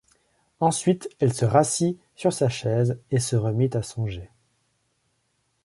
Ensuite elle se rassit sur sa chaise et se remit à songer.